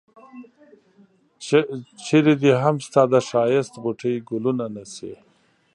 چرې دي هم ستا د ښایست غوټۍ ګلونه نه شي.